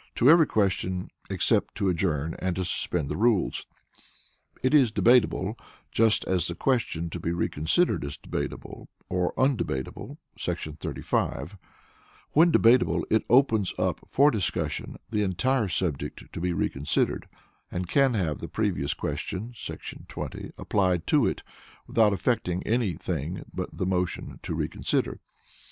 ] to every question, except to Adjourn and to Suspend the Rules. It is debatable or not, just as the question to be reconsidered is debatable or undebatable [§ 35]; when debatable, it opens up for discussion the entire subject to be reconsidered, and can have the Previous question [§ 20] applied to it without affecting any thing but the motion to reconsider.